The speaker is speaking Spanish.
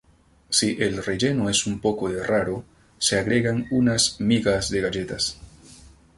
Si el relleno es un poco de raro, se agregan unas migas de galletas.